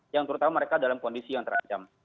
yang terutama mereka dalam kondisi yang terancam